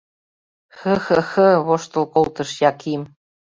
— Хы-хы-хы! — воштыл колтыш Яким.